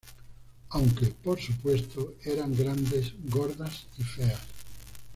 Aunque, por supuesto, eran grandes, gordas y feas.